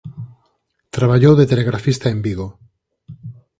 Traballou de telegrafista en Vigo.